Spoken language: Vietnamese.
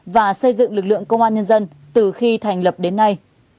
và xây dựng lực lượng công an nhân dân từ khi thành lập đến nay